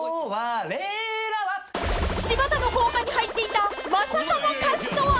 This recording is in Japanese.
［柴田の校歌に入っていたまさかの歌詞とは！？］